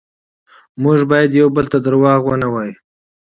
موږ باید یو بل ته دروغ ونه وایو